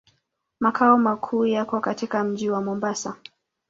Makao makuu yako katika mji wa Mombasa.